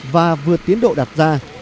và vượt tiến độ đạt ra